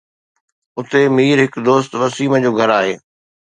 اتي مير هڪ دوست وسيم جو گهر آهي